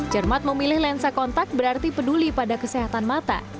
cermat memilih lensa kontak berarti peduli pada kesehatan mata